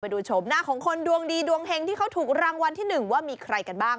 ดูชมหน้าของคนดวงดีดวงเฮงที่เขาถูกรางวัลที่๑ว่ามีใครกันบ้าง